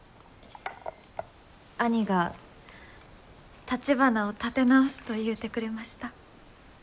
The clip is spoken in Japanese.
兄がたちばなを建て直すと言うてくれました。